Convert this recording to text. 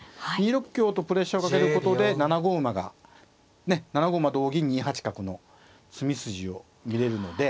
２六香とプレッシャーをかけることで７五馬がね７五馬同銀２八角の詰み筋を見れるので。